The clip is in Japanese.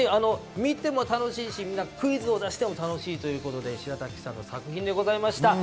見ても楽しいし、クイズを出しても楽しいということで、しらたきさんの作品でございました。